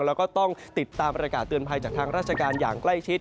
แล้วก็ต้องติดตามประกาศเตือนภัยจากทางราชการอย่างใกล้ชิด